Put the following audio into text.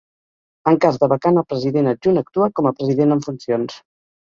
En cas de vacant, el President Adjunt actua com a President en funcions.